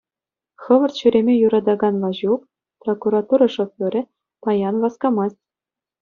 Хӑвӑрт ҫӳреме юратакан Ваҫук, прокуратура шоферӗ, паян васкамасть.